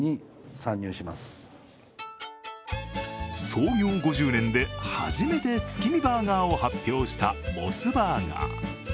創業５０年で初めて月見バーガーを発表したモスバーガー。